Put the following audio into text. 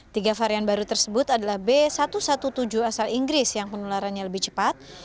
tiga varian baru tersebut adalah b satu satu tujuh asal inggris yang penularannya lebih cepat